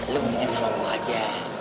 lu mendingan sama gue aja